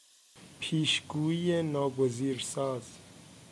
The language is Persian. پیشگویی ناگزیرساز